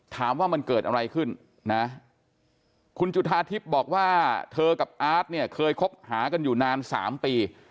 ถามว่ามันเกิดอะไรขึ้นนะคุณจุธาทิพย์บอกว่าเธอกับอาร์ตเนี่ยเคยคบหากันอยู่นาน๓ปี